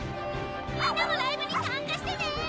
みんなもライブに参加してね！